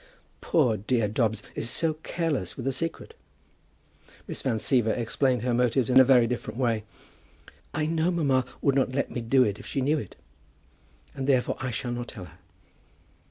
"Poor dear Dobbs is so careless with a secret." Miss Van Siever explained her motives in a very different way. "I know mamma would not let me do it if she knew it; and therefore I shall not tell her."